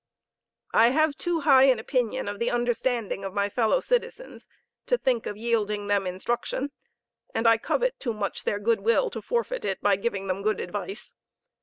I have too high an opinion of the understanding of my fellow citizens to think of yielding them instruction, and I covet too much their good will to forfeit it by giving them good advice.